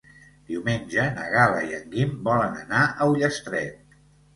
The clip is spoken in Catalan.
Diumenge na Gal·la i en Guim volen anar a Ullastret.